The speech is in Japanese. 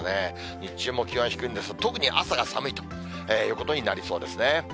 日中も気温は低いんですが、特に朝が寒いということになりそうですね。